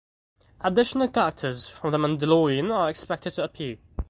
Additional characters from "The Mandalorian" are expected to appear.